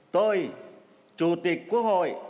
tôi chủ tịch quốc hội